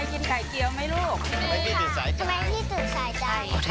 あれ？